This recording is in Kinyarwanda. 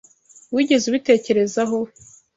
Wigeze ubitekerezaho?